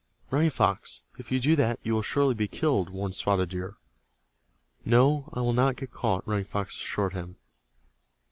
"Running Fox, if you do that you will surely be killed," warned Spotted Deer. "No, I will not get caught," Running Fox assured him.